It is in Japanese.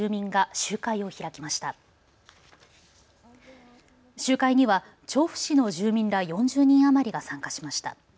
集会には調布市の住民ら４０人余りが参加しました。